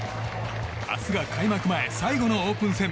明日が開幕前最後のオープン戦。